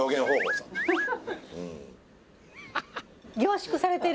「凝縮されてる！」